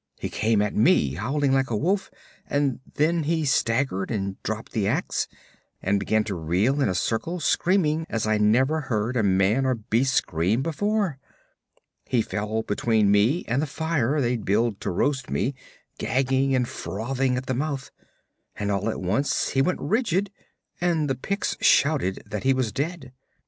He came at me, howling like a wolf and then he staggered and dropped the ax, and began to reel in a circle screaming as I never heard a man or beast scream before. He fell between me and the fire they'd built to roast me, gagging and frothing at the mouth, and all at once he went rigid and the Picts shouted that he was dead.